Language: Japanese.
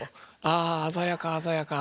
ああ鮮やか鮮やか！